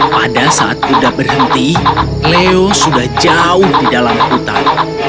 pada saat yuda berhenti leo sudah jauh di dalam hutan